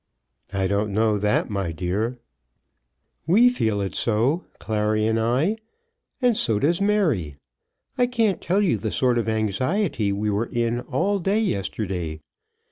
"I don't know that, my dear." "We feel it so, Clary and I, and so does Mary. I can't tell you the sort of anxiety we were in all day yesterday.